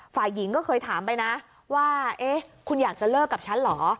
ฝ่ายหญิงก็เคยถามไปนะว่าเอ๊ะคุณอยากจะเลิกกับฉันเหรอ